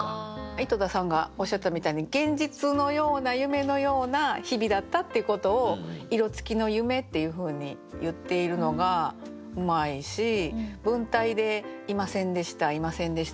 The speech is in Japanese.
井戸田さんがおっしゃったみたいに現実のような夢のような日々だったっていうことを「色つきの夢」っていうふうに言っているのがうまいし文体で「いませんでした」